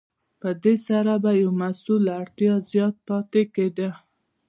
په دې سره به یو محصول له اړتیا زیات پاتې کیده.